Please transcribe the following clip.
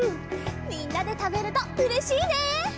みんなでたべるとうれしいね！